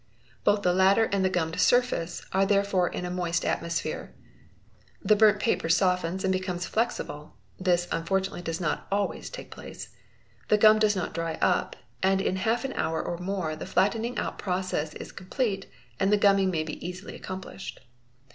Both the latter and the cummed surface are therefore in a moist atmosphere. The burnt paper softens and becomes flexible (this unfortu nately does not always take place), the gum does not dry up, and in half an hour or more the flattening out process is complete and the gumming may be easily accomplished.